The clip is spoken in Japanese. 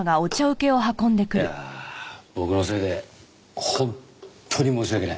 いやあ僕のせいで本当に申し訳ない。